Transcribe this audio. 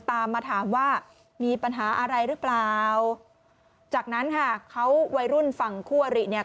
ตามมาถามว่ามีปัญหาอะไรหรือเปล่าจากนั้นค่ะเขาวัยรุ่นฝั่งคู่อริเนี่ย